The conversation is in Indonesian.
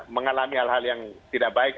mengalami hal hal yang tidak baik